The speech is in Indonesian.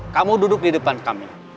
kamu duduk di depan kami